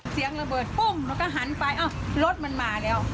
เสียงระเบิดปุ้งแล้วก็หันไปเอ้ารถมันมาแล้ว